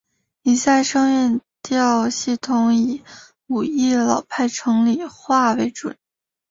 以下声韵调系统以武义老派城里话为准。